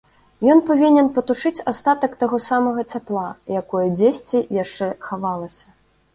Ён павінен патушыць астатак таго самага цяпла, якое дзесьці яшчэ хавалася.